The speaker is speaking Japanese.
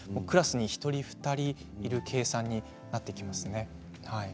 クラスに１人、２人いる計算になってきますね。